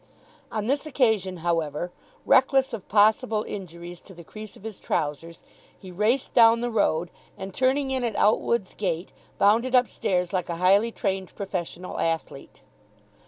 On this occasion, however, reckless of possible injuries to the crease of his trousers, he raced down the road, and turning in at Outwood's gate, bounded upstairs like a highly trained professional athlete.